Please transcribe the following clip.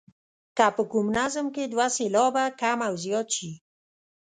که په کوم نظم کې دوه سېلابه کم او یا زیات شي.